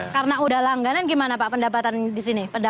karena udah langganan gimana pak pendapatan di sini